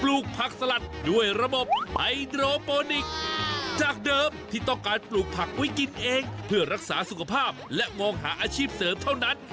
อุ๊ยกินเองเพื่อรักษาสุขภาพและมองหาอาชีพเสริมเท่านั้น